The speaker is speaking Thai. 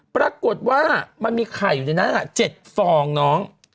ปรากฏว่ามันมีไข่อยู่ในหน้า๗ฟองน้อง